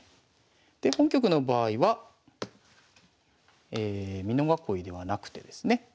で本局の場合は美濃囲いではなくてですね。